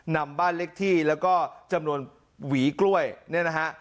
นำบ้านเล็กที่แล้วก็จำนวนหวีกล้วยเนี่ยนะฮะ